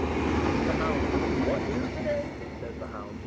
He came to the hound. "What news to day?" says the hound.